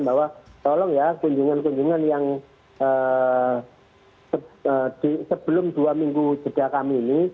bahwa tolong ya kunjungan kunjungan yang sebelum dua minggu jeda kami ini